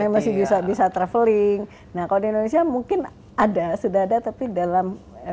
masih bisa bisa traveling nah kalau di indonesia mungkin ada sudah ada tapi dalam